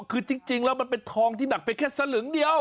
คือจริงแล้วมันเป็นทองที่หนักไปแค่สลึงเดียว